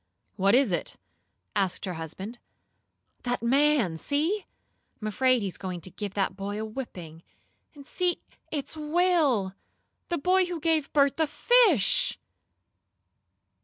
"What is it?" asked her husband. "That man! See! I'm afraid he is going to give that boy a whipping. And see, it's Will the boy who gave Bert the fish!"